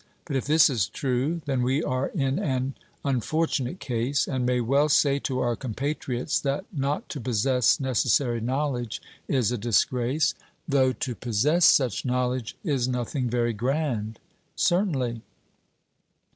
But if this is true, then we are in an unfortunate case, and may well say to our compatriots that not to possess necessary knowledge is a disgrace, though to possess such knowledge is nothing very grand. 'Certainly.'